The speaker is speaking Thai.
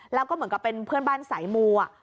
แล้วก็เหมือนกับเป็นเพื่อนบ้านสายมู